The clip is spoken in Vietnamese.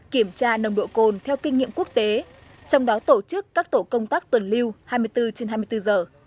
kiểm tra nồng độ cồn theo kinh nghiệm quốc tế trong đó tổ chức các tổ công tác tuần lưu hai mươi bốn trên hai mươi bốn giờ